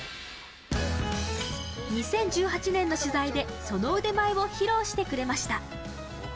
２０１８年の取材でその腕前を披露してくれました。